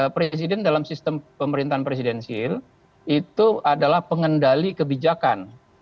presiden dalam sistem pemerintahan presidensil itu adalah pengendali kebijakan